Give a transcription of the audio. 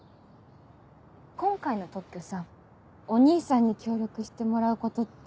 今回の特許さお兄さんに協力してもらうことって。